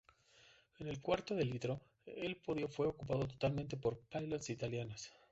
En el cuarto de litro, el podio fue ocupado totalmente por pilots italianos.